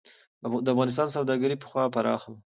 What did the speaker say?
د افغانستان سوداګري پخوا پراخه وه.